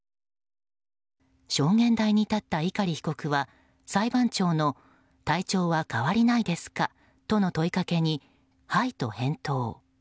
証言台に立った碇被告は裁判長の体調は変わりないですかとの問いかけにはいと返答。